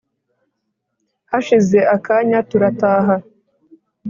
hashize akanya turataha,